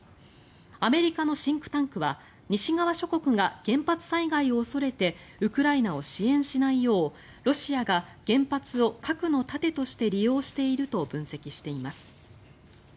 アメリカのシンクタンクは西側諸国が原発災害を恐れてウクライナを支援しないようロシアが原発を核の盾として利用していると分析しています。